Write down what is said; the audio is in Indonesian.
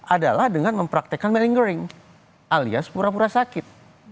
adalah dengan mempraktekkan melingering alias pura pura sakit